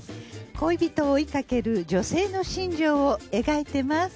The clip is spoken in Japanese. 恋人を追いかける女性の心情を描いてます。